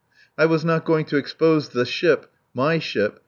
I was not going to expose the ship, my ship!